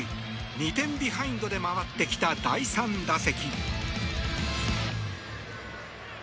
２点ビハインドで回ってきた第３打席。